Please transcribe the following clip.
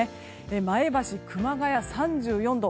前橋、熊谷は３４度。